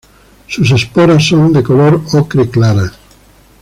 Sus esporas son de color ocre claras.